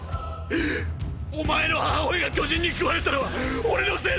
お前の母親が巨人に食われたのは俺のせいだ！！